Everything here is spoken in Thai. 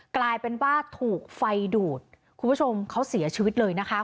กลายเป็นว่าถูกไฟดูดคุณผู้ชมเขาเสียชีวิตเลยนะคะ